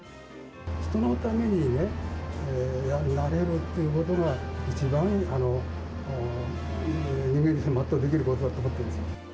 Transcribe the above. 人のためになれるっていうことが、一番まっとうできることだと思っています。